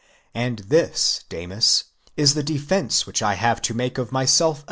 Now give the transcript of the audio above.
And this, Damis, is the defence which 1 haye to make of 1833 CAP.